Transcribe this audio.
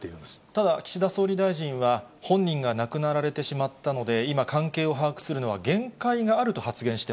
ただ、岸田総理大臣は、本人が亡くなられてしまったので、今、関係を把握するのは限界があ